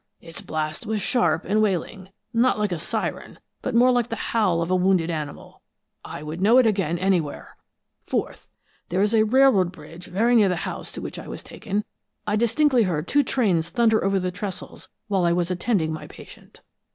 Its blast was sharp and wailing, not like a siren, but more like the howl of a wounded animal. I would know it again, anywhere. Fourth, there is a railroad bridge very near the house to which I was taken I distinctly heard two trains thunder over the trestles while I was attending my patient.